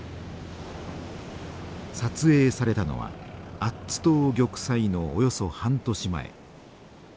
撮影されたのはアッツ島玉砕のおよそ半年前。